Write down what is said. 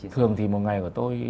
thường thì một ngày của tôi